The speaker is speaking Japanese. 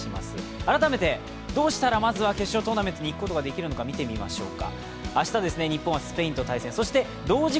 改めてどうしたらまずは決勝トーナメントにいくことができるのか見てみましょうか。